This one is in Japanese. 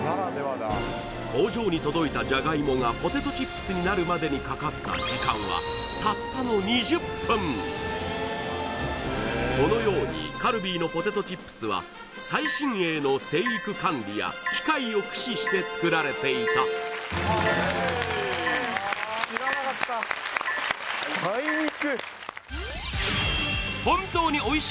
工場に届いたジャガイモがポテトチップスになるまでにかかった時間はたったの２０分このようにカルビーのポテトチップスは最新鋭の生育管理や機械を駆使して作られていた梅肉！？